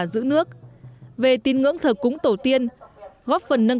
trước ngày ba mươi tháng bốn năm hai nghìn một mươi tám